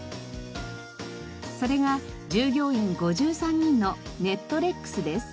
それが従業員５３人のネットレックスです。